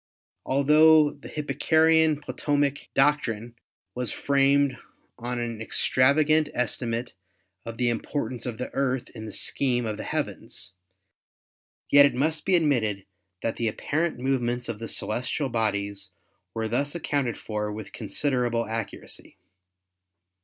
Altho the Hip parchian Ptolemaic doctrine was framed on an extravagant "estimate of the importance of the Earth in the scheme of the heavens, yet it must be admitted that the apparent movements of the celestial bodies were thus accounted for with considerable accuracy.